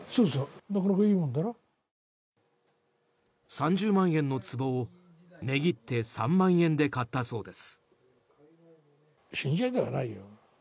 ３０万円のつぼを値切って３万円で買ったそうです。